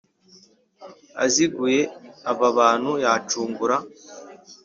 aziguye aba bantu yacungura